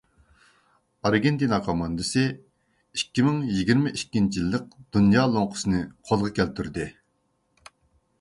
ئارگېنتىنا كوماندىسى ئىككى مىڭ يىگىرمە ئىككىنچى يىللىق دۇنيا لوڭقىسىنى قولغا كەلتۈردى.